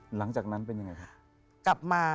หลังจากนั้นเป็นยังไงครับ